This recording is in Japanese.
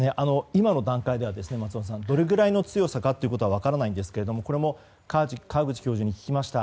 今の段階ではどれぐらいの強さかは分からないんですがこれも川口教授に聞きました。